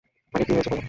আরে কি হয়েছে বলো।